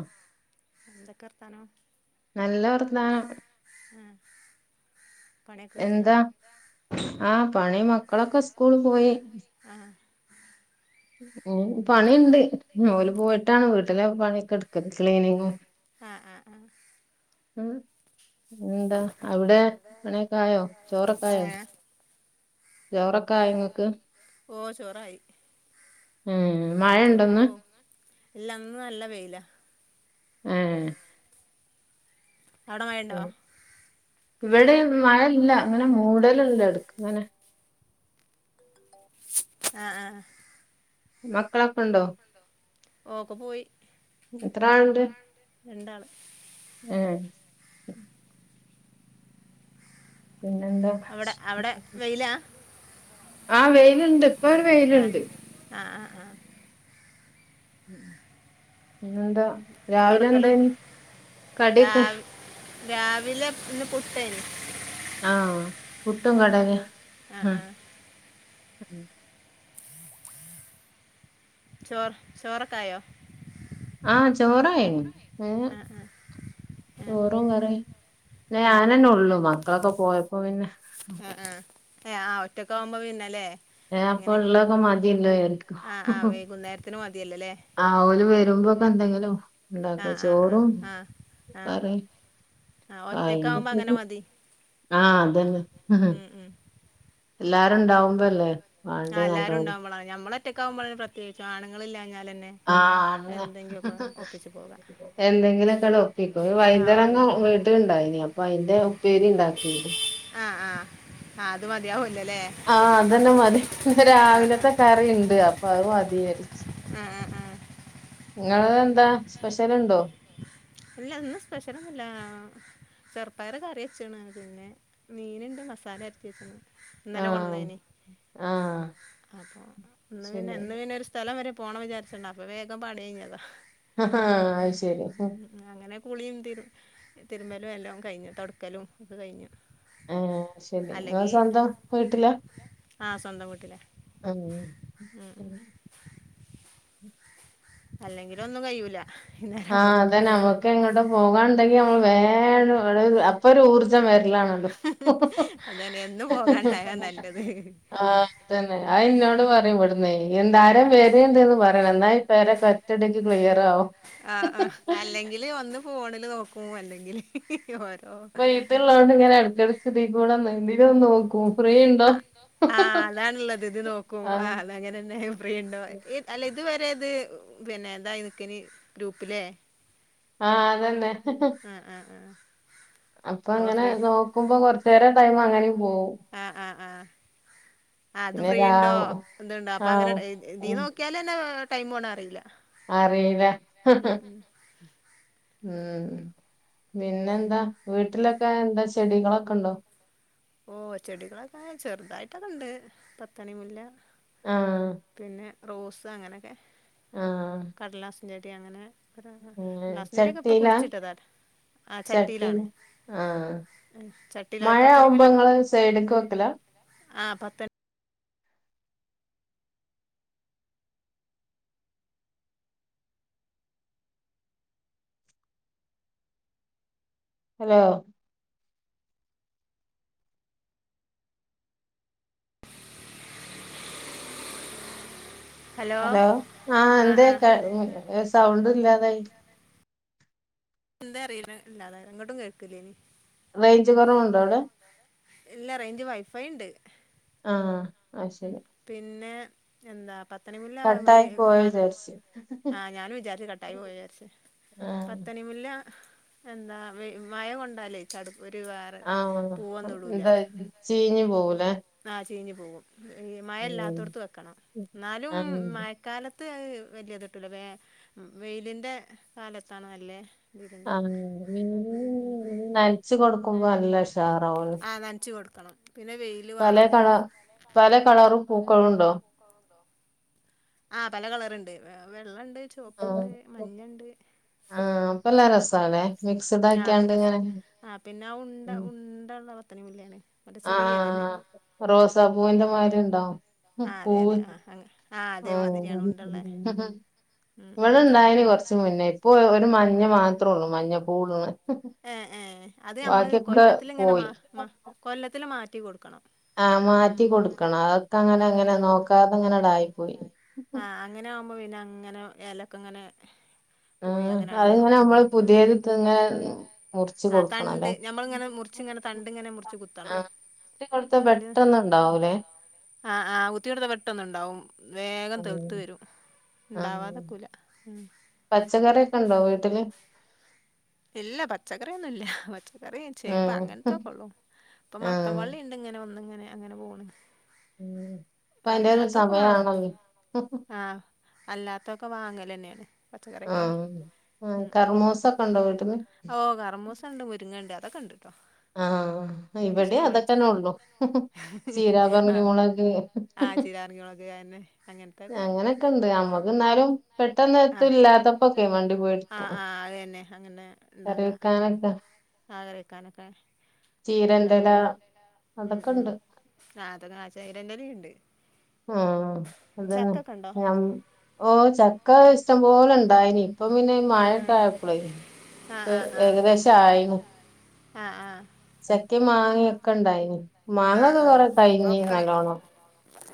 അഹ് എന്തൊക്കെവർത്താനം നല്ല വർത്താനം ഉം എന്താ ആഹ് പണി മക്കളൊക്കെ സ്കൂളി പോയി. ആഹ് ഇഞ് പണിയുണ്ട് ഓല് പോയിട്ടാണ് വീട്ടിലെ പണിയൊക്കെ ഇട്ക്കല് ക്ലീനിങ്ങും ആഹ് ആഹ് ആഹ് എഹ് ൻ എന്താ അവടെ പണിയൊക്കായോ ചോറൈക്കായോ ചോറക്കായൊ ഇങ്ങക്ക് ഓഹ് ചോറായി ചോറിന് പോകും. ഇല്ല ഇന്ന് നല്ല വെയില. ഏഹ് അവ്ടെ മയണ്ടോ? ഇവിടെ മഴ ഇല്ല അങ്ങനെ മൂടലല്ല എടക്കിങ്ങനെ ആഹ് ആഹ് മക്കളൊക്കെണ്ടോ? ഓഹ് ഒക്കെ പോയി എത്രാള്ണ്ട് രണ്ടാള് ഏഹ് ഉം [inaudible] പിന്നെന്താ അവിടെ അവിടെ വെയില ആഹ് വെയിലുണ്ട് ആഹ് ആഹ് ആഹ് ആഹ് പിന്നെന്താ രാവിലെന്തേനി കടിയൊക്കെ രാവിലെ പിന്നെ പു ട്ടേന് പുട്ടും കടലേം ആഹ് ആഹ് ഉം [inaudible] ചോറ് ചോറക്കായോ ആഹ് ചോറായി കഴിഞ്ഞു ചോറുകറീം പിന്നെ നാൻ അല്ലെ ഉള്ളു മ ക്കളൊക്കെ പോയപ്പോ പിന്നെ ആഹ് ആഹ് ഏഹ് ആഹ് ഒറ്റൊക്കെ ആവുമ്പോ പിന്നെല്ലേ എങ്ങെനേങ്ക്യൊക്കെ ആഹ് ആഹ് വൈകുന്നേരത്തിനും മതിയല്ല ലേ ആഹ് ഓല് വരുമ്പോക്കെ എന്തെങ്കിലും ഇണ്ടാക്കോ ചോറും കറി കയിഞ്ഞു ആഹ് അതന്നെ എല്ലാരും ഉണ്ടാവുമ്പല്ലേ വേണ്ട്യെ നല്ലോ ള ഞമ്മളൊ- ഒറ്റയ്ക്കാകുമ്പോഴേ പ്രത്യേകിച്ചും ആണുങ്ങളില്ലാഞ്ഞാലെന്നെ ആഹ് അന്നെ എന്തെങ്കിലൊക്കെണ് ഒപ്പിക്കോ ഈ വൈതനങ്ങ വീട്ടിലിണ്ടായിനി അപ്പൊ അയ്ന്റെ ആഹ് ആഹ് അത് മതിയാവൂല്ലല്ലേ ആഹ് അതന്നെ മതി രാവിലത്തെ കറിണ്ട് അപ്പൊ അത് മതിചാര് ഇങ്ങെളെന്താ സ്പെഷ്യൽ ഇണ്ടോ ഇല്ല ഒന്നും സ്പെഷ്യലൊന്നുല്ല ചെറുപ്പയറു കറ്യച്ചീണ് പിന്നെ മീനുണ്ട് മസാല അരിച്ച വെച്ചിണ് ഇന്നലെ കൊണ്ടന്നേനി അപ്പൊ ഇന്ന് പിന്നെ ഇന്ന് പിന്നെരു സ് തലം വരെ പോണം വിചാരിച്ചിണ്ട് അപ്പ വേഗം പണി കൈഞ്ഞത ആഹ് ആഹ് അയ് ശരി അങ്ങനെ കുളിയും തിരു തിരുമ്പലും എല്ലാം കഴിഞ്ഞു തൊട്ക്കലും ഒക്കെ കൈഞ്ഞു ആഹ് ശരി ഇങ്ങളെ സ്വന്തം വീട്ടില ആഹ് സ്വന്തം വീട്ടില ഉം ഉം അല്ലെങ്കിലന്നും കഴിയൂല ആഹ് അതന്ന നമ്മുക്ക് എങ്ങോട്ട് പോകാനുണ്ടെങ്കി നമ്മള് വേ പ്പൊ ഒരു ഊർജ്ജം വരിലാണല്ലോ ആഹ് അതന്നെ ആ ഇന്നോട് പറയും വിെടുന്നേ എന്തായാരം വര എന്തന്ന് പറ [unintelligible] എന്നാ ഈ പേരെ കറ്റ ഇടക്ക് ക്ലിയർ ആവോ ആ ആ അല്ലെങ്കിൽ ഒന്ന് ഫോണിൽ നോക്കുമോ അല്ലെങ്കിൽ ഓരോ തീള്ളത കൊണ്ട് ഇങ്ങനെ അടക്കടക്കുതിക്കൂടന്ന് എങ്കും ഒന്ന് നോക്കും ആ ആ അതാണുള്ളത് ഇത് നോക്കും ആ അത അങ്ങനന്നെ ഫ്രീയുണ്ടോ ഏ അല്ല ഇതവരെ ഇത് പിന്നെ എന്തായി നിക്കിന ഗ്രൂപ്പിലേ ആഹ് അതന്നെ ആഹ് ആഹ് ആഹ് അപ്പൊ അങ്ങനെ നോക്കുമ്പോ കൊറച്ചു നേരം ടൈമ അങ്ങനെയും പോവും ആ അത് ഫ്രീ ഉണ്ടോ ഇത്ണ്ടോ അപ്പൊ അങ്ങനെ നീ നോക്കിയാൽന്നെ ടൈം പോണ അറിയില്ല അറീല്ല ഉം പിന്നെ എന്താ വീട്ടിലൊക്കെ എന്താ ചെടികളൊക്കെ ഉണ്ടോ ഓഹ് ചെടികളൊക്കെ ചെറുതായിട്ടൊക്കെണ്ട് പത്തണി മുല്ല ആഹ് പിന്നെ റോസ് അങ്ങനെയൊക്കെ കടലാസിൻ ചടി അങ്ങനെ അ കടലാസ് ചടിയൊക്കെ ഇപ്പൊ കുഴിച്ചിട്ടതാ ആ ചട്ടിയിലാണ് ഉം ചട്ടീല പത്തണി മുല്ല ആഹ് പത്ത ഹലോ ഹലോ ആഹ് എന്ത സൗണ്ട് ഇല്ലാതായി എന്താ അറിയണ ഇല്ലാതെ അങ്ങോട്ടും കേക്കില്ലേനി റേയ്ഞ്ച് കുറവുണ്ടോ അവിടെ ഇല്ലാ റയ്ഞ്ച് വൈഫൈ ഉണ്ട് ആഹ് അത് ശരി പിന്നെ എന്താ പത്തണി മുല്ല വൈ [inaudible] ആഹ് ഞാനും വിചാരിച്ച കട്ടായി പോയി വിചാരിച്ച പത്തനി മുല്ല എന്താ മഴ കൊണ്ടാലേ ചടുപ്പ ഒരു വേറെ പൂവൊന്നും ഇടൂല ആ ചീഞ്ഞ പോകും ഈ മഴ ഇല്ലാത്തോടത്ത് വെക്കണം എന്നാലും മ കാലത്ത് അത് വലിയ തട്ടല വ വെയിലിന്റെ കാലത്തണ നല്ലേ ആ നനച്ച കൊടുക്കുമ്പോ അല്ല ഷാറോ ആ നനച്ചു കൊടുക്കണം പിന്ന വെ പല കള പല കളറും പൂക്കളും ഉണ്ടോ ആ പല കളറുണ്ട് വെള്ളണ്ട് ചുവപ്പുണ്ട് മഞ്ഞുണ്ട് ആഹ് അപ്പല്ല രസം ആഹ് അപ്പൊ രസം ആ പിന്നെ ഉണ്ട ഉണ്ടുള്ള പത്തനമല്ലാണ് അല്ല ചെറിയലഅല്ലേ റോസ പൂവിന്റെമാതിരി ഉണ്ടാവും ഉം പൂവ് ആഹ് ഇവിടെ ഇണ്ടായന് കൊറച്ച മുന്നേ ഇപ്പൊ ഒരു മഞ്ഞ മാത്രള്ളു മഞ്ഞ പൂവ് ഇടനെ ഏഹ് ഏഹ് അത് നമ്മള് കൊല്ലത്തില്ഇങ്ങനെ മാ മ കൊല്ലത്തില് മാറ്റി കൊട്ക്കണം ആഹ് മാറ്റി കൊടുക്കണം അഒക്കെ അങ്ങനെ അങ്ങനെ നോക്കാതെ അങ്ങനെ ണ്ടായി പോയി ആഹ് അങ്ങനെ ആവുമ്പോ പിന്നെ അങ്ങനെ എലക്കെ ഇങ്ങനെ പോയി അങ്ങനെണ്ട്താവും ആ തണ്ട് ഞമ്മള്ങ്ങനെ മുർ ച്ച് ഇങ്ങനെ തണ്ട്ങ്ങനെ മുർച്ച് കുത്തണം ത്തി കൊടുത്താ പെട്ടന്ന് ഇണ്ടാവുലേ ആഹ് ആഹ് കുത്തി കൊടുത്താ പെട്ടന്ന് ഇണ്ടാവും വേ തെള്ത്ത് വരും ഇണ്ടാവാതെക്കൂല പച്ചക്കറിഒക്കെണ്ടോ വീട്ട്ല് ഇല്ല പച്ചക്കറിയൊന്നുംല്ല പച്ചക്കറി ചേമ്പ് അങ്ങനത്തൊക്കെ ഒള്ളൂ ഇപ്പ മത്തം വള്ളി ണ്ട്ഇങ്ങനെ ഒന്ന്ഇങ്ങനെ അങ്ങനെ പോണ് ഇപ്പ അയ്ന്റൊരു സമയാണല്ലോ അല്ലാത്തൊക്കെ വാങ്ങലെന്നേണ് പച്ചക്കറ്യക്കെ ഉം ഓഹ് കർമൂസ സണ്ട് മുര്ങ്ങണ്ട് അതൊക്കെ ഇണ്ട്ട്ടോ അഅക്കെ ഇഷ്ടംപോലെച്ച്ണു ആഹ് അത് ആഹ് ചിരാർങ്ങിഒളക് അഅന്നെ അങ്ങൻത്തൊക്കെ തൊക്കെണ്ട് നമ്മക്ക്ന്നാലും പെട്ടെന്ന് എത്തും ഇല്ലാത്തപ്പൊക്കെ മണ്ടി പോയി ഇട്ക്കാം കറിവെക്കാനൊക്കെ ആഹ് കറെക്കാനൊക്കെ ത്തുല്ലാത്തൊപ്പക്കെ ഉം ഉം ന്നാത്തൊക്കെ ചെയ്രന്റെലിംണ്ട് ആഹ് അതന്നെ ഓഹ് ചക്ക ഇഷ്ടം പോലെ ഇണ്ടായിനി ഇപ്പം പിന്നെ മഴ ഒക്കെ ആയപ്ലേ ത് ഏകദേശായിന് ആഹ് ആഹ് ചക്കിം മാങ്ങൊക്കെ ഇണ്ടായിനിം മാങ്ങൊക്കെ കൊറെ കഴിഞ്ഞി നല്ലോണ്ണം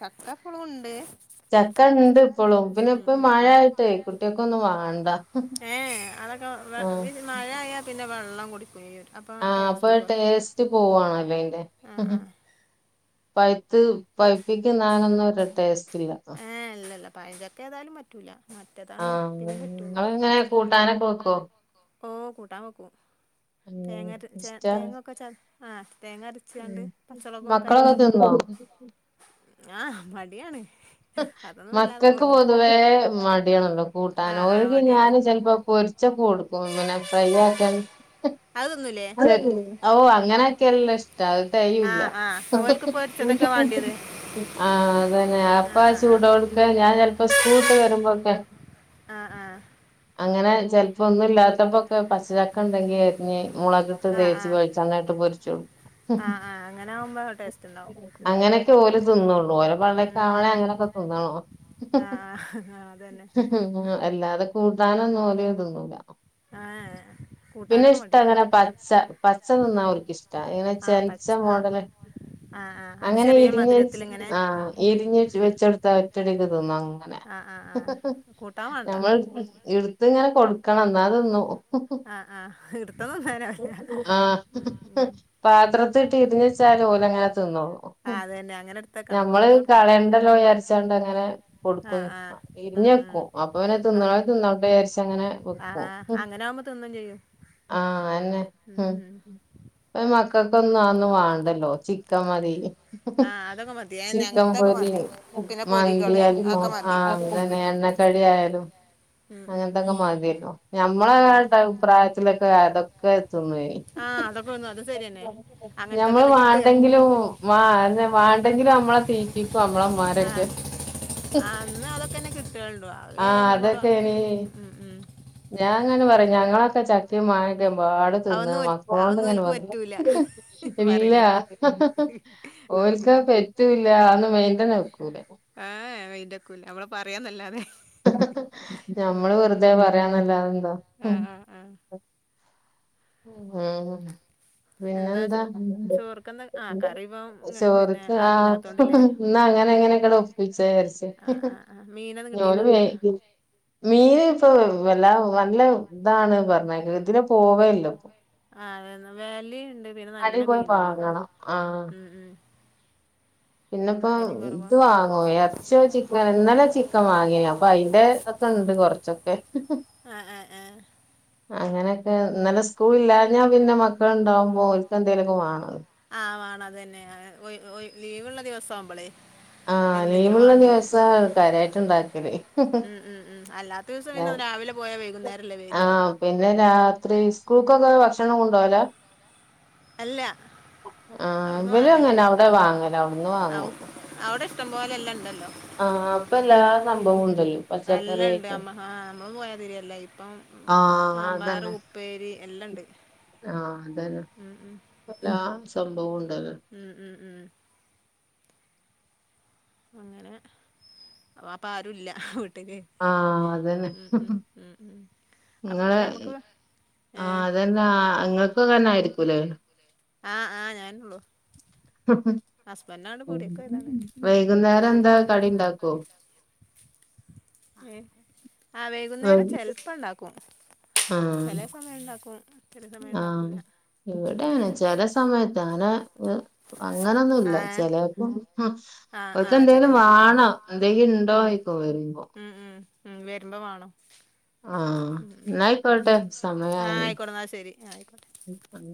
ചക്ക ഇപ്പളും ഇണ്ട് ചക്ക ഇണ്ട് ഇപ്പളും പിന്നെ ഇപ്പൊ മഴയായിട്ടെ കുട്ട്യാൾക്ക് ഒന്നും വാണ്ട ഏഹ്ഹെ അതൊക്കെ മഴയായാ പിന്നെ വെള്ളം കുടിക്കൊയ് ആഹ് അപ്പ ടേസ്റ്റ് പോവാണഅല്ലേ അയിന്റെ ആഹ് ആഹ് പഴുത്ത് പഴുപ്പിച്ച്ന്നാന് ഒന്നും ഒര്ടേസ്റ്റ് ഇല്ല ഏയ് ഇല്ല ഇല്ല പഴംചക്ക ഏതായ്ലും പറ്റൂല്ല ആഹ്ഇങ്ങള് ഇങ്ങനെ കൂടാൻ ഒക്കെ വെക്കാേ ഓഹ് കൂട്ടാൻ വെക്കും തേങ്ങക്കെ ചെ തേങ്ങാെക്കെ ചത് ആ തേങ്ങ രച്ച്ക്കാണ്ട് പച്ചൊളകും കരിവേപ്പിലൊക്കെട്ട് ആഹ് മടിയാണ് മക്കക്ക് പൊതുവേ മടിയാണല്ലോ കൂട്ടാനോ ഓൽക്ക് ഞാൻ ചെൽപ്പോ പൊര് ച്ചൊക്കെകൊട്ക്കും പിന്നെ ഫ്രൈ ആകാന് അഅ് ത്ത്ന്നൂലേ ഓഹ് അങ്ങനെ ആക്കിയാല് നല്ല ഇഷ്ട്ടാ അഅ് തെയൂല്ല ആഹ് അതന്നെ അപ്പ ആ ചൂടോ ട്ക്കെ ഞാൻ ചെൽപ്പോ സ്ക്കൂൾ വിട്ട് വരുമ്പോക്ക് ആഹ് ആഹ് അങ്ങനെ ചെൽപ്പോ ഒന്നും ഇല്ലാത്തപ്പൊക്കെ പച്ചചക്ക ഇണ്ടെങ്കി ഇനി മുളക് ഇട്ട് തേച്ച് കുഴച്ച് അങ്ങനെയൊക്കെ പൊരിചും ആ അങ്ങനെ ആവുമ്പോ ടേസ്റ്റ് ഉണ്ടാവും അങ്ങനെയൊക്കെ ഓല് തിന്ന ഒള്ളൂ ഓലെ പള്ളിക്ക് ആവണേ അങ്ങനെയൊക്കെ തിന്നന്നോ ആഹ് അതന്നെ അല്ലാതെ കുട്ടാൻ ഒന്നും ഓല് തിന്നുല്ല ആഹ് പിന്നെ ഇഷ്ട ഇങ്ങനെ പച്ച പച്ച തിന്നാ അവർക്ക് ഇഷ്ട ഇങ്ങനെ ചെൻച്ച മോടൽ അങ്ങനെ എരിഞ്ഞു വെച്ചാ വെച്ചെടുത്താ ഒറ്റടിക്ക് തിന്നും അങ്ങനെ നമ്മൾ എടുത്ത് ഇങ്ങനെ കൊടുക്കണം എന്നാ തിന്നും ആഹ് ആഹ് ഇടത്താ ആ പാത്രത്തിൽ ഇട്ട് എരിഞ്ഞ് വെച്ചാ ഓലങ്ങനെ തിന്നും ഞമ്മള് കളയണ്ടല്ലോ വിചാരിചിട്ട് അങ്ങനെ കൊടുക്കും എരിഞ്ഞേക്കും അപ്പൊ പിന്നെ തിന്നുന്നോർ തിന്നട്ടെ വിചരിച്ച് അങ്ങനെ ആഹ് അന്നെ ഇപ്പൊ മക്കൾക്കൊന്നും അത് ഒന്നും വേണ്ടല്ലോ ചിക്കൻ മതി ചിക്കൻ പൊരി മന്തി അൽഫാം ആ അതെ അതന്നെ എണ്ണക്കടി ആയാലും അങ്ങനത്തൊക്കെ മതിയല്ലോ ഞമ്മളെ പ്രായത്തിലൊക്കെ അതൊക്കെ തിന്നുവെന്നി ആഹ് അതൊക്കെ തിന്നും അത് സരിയന്നെ അങ്ങനത്തൊക്കെ അല്ലെ കിട്ട [unintelligible] വേണ്ടെങ്കിലും നമ്മളെ തീറ്റിക്കും നമ്മളെ ഉമ്മാരൊക്കെ ആഹ് അന്ന് അതൊക്കെ തന്നെ കിട്ടഉള്ളൂ ആഹ് അതന്നെ ഞാൻ ഇങ്ങനെ പറയും ഞങ്ങളൊക്കെ കൃത്യ മട്ടൻ പാടെ തിന്ന് മക്കളോണ്ട് ഇങ്ങനെ ഇല്ല ഓൽകൊന്നും പറ്റൂല്ല അത് വേണ്ടെന്ന് വെക്കൂല ഏയ് മൈന്റ്അക്കൂല നമ്മളെ പറയാന്നല്ലാതെ ഞമ്മള് വെറുതെ പറയാന്നല്ലാതെ ഉം പിന്നെ എന്താ ചോറക്ക് ആഹ് ഇന്ന് അങ്ങനെ അങ്ങനെക്കടെ ഒപ്പിച്ച വിചാരിച്ച് ആ മീനൊന്നും കി ഞൊല് വേ മീൻ ഇപ്പൊ വല്ലാ നല്ല ഇതാണ് പറഞെക്ക ഇതിനെ പോവല്ലോ ഇപ്പൊ ആ അത വെലിണ്ട് പിന്നെ നല്ല മീന ല്ലോന്ന ഉം ഉം പിന്നെ ഇപ്പ ഇത് വാങ്ങോ എറച്ചി ചിക്കൻ ഇന്നലെ ചിക്കൻ വാങ്ങിനും അപ്പൊ അയിന്റെ ഒക്കെ ഉണ്ട് കൊറച്ച് ചാക്കോ ആഹ് ആഹ് ആഹ് അങ്ങനെയൊക്കെ ഇന്നലെ സ്കൂള ഇല്ലഞ്ഞാൽ പിന്നെ മക്കളുണ്ടാവുമ്പോ ഒല് ക്കന്തേലൊക്കെ വേണം ആ വേണം അത് തന്നെഒഴിവ്‌ ലീവള്ള ദിവസം ആവുമ്പോളേ ആഹ് ലീവ് വു ള്ള ദിവസ ക്കാര്യിട്ട് ഇണ്ടാക്കല് ഉം ഉം ഉം അല്ലാത്ത ദിവസം പിന്നെ രാവിലെ പോയാ വൈകുന്നേരല്ലെ വര പിന്നെ രാത്രി സ്കൂൾക്കൊക്കെ ഭക്ഷണം കൊണ്ടവല ആഹ് ഇവല് അങ്ങനെ അവിടെ വാങ്ങല അവിടുന്ന് വാങ്ങൂ അവിടെ ഇഷ്ടംപലെ എല്ലാം ഉണ്ടല്ലോ ആഹ് അഹ് അല്ലണ്ട് അമ്മ ഹാ അമ്മള് പോയാതിര്യല്ല ഇപ്പം സാമ്പാറ്, ഉപ്പേരി എല്ലാണ്ട്. ആഹ് അതെന്നെ ഇപ്പെല്ലാ സംഭവുണ്ടല്ലോ. ഉം ഉം ഉം അങ്ങനെ അപ്പാരുല്ല വീട്ട്ല്. ആഹ് അതെന്നെ ഇങ്ങളെ ആഹ് അതെന്താ ഇങ്ങക്ക്വങ്ങനായിരിക്കൂലേ. ആഹ് ആഹ് ഞാന് നൊള്ളൂ. വൈകുന്നേരെന്താ കടിണ്ടാക്കോ? ഏഹ് ആഹ് വൈകുന്നേരം ചെൽപ്പ ണ്ടാക്കും. ചെലെ സമയണ്ടാക്കും. ആഹ് ഇവടങ്ങനെ ചെലെ സമയത്ത് അങ്ങനെ ന്ന് അങ്ങനൊന്നുല്ല ചെലേപ്പം [unintelligible] ഓക്കെന്തെങ്കിലും വാണം എന്തെങ്കിണ്ടോ യിക്കും വെരുമ്പോ. ഉം ഉം വെരുമ്പോ വാണം. ആഹ് ന്നായികൊട്ടെ സമയായിണ്. ഉം